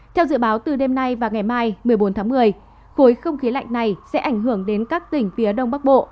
theo dự báo từ đêm nay và ngày mai một mươi bốn tháng một mươi khối không khí lạnh này sẽ ảnh hưởng đến các tỉnh phía đông bắc bộ